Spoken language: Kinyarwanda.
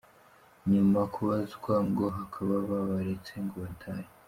Nyuma kubazwa ngo bakaba babaretse ngo batahe.